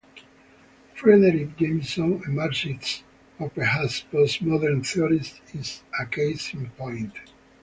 Frederic Jameson, a Marxist or perhaps post-modern theorist, is a case in point.